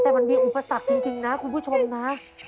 แต่มันมีอุปสรรคจริงนะคุณผู้ชมนะ